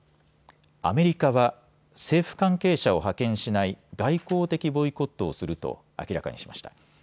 アメリカは政府関係者を派遣しない外交的ボイコットをすると明らかにしました。